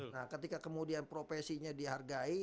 nah ketika kemudian profesinya dihargai